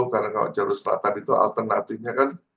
karena kalau jalur selatan itu alternatifnya kan